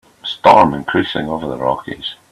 Storm increasing over the Rockies.